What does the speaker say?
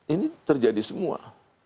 ini terjadi semua